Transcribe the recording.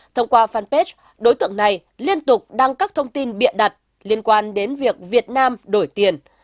thông qua fanpage đối tượng này liên tục đăng các thông tin bịa đặt liên quan đến việc việt nam đổi tiền